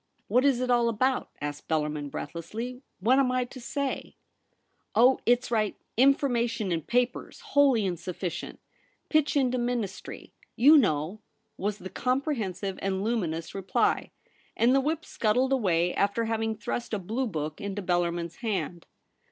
'What is it all about?' asked Bellarmin breathlessly. ' What am I to say ?'* Oh, it's right — information in papers wholly insufficient ; pitch into Ministry — you know,' was the comprehensive and luminous reply; and the whip scuttled away after having thrust a blue book into Bellarmin's hand.